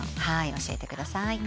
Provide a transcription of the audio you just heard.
教えてください。